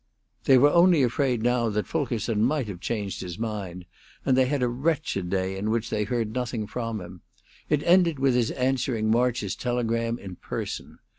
They were only afraid now that Fulkerson might have changed his mind, and they had a wretched day in which they heard nothing from him. It ended with his answering March's telegram in person.